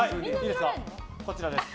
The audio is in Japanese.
こちらです。